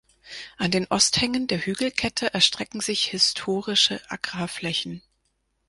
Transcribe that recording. An den Osthängen der Hügelkette erstrecken sich historische Agrarflächen.